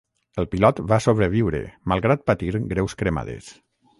El pilot va sobreviure malgrat patir greus cremades.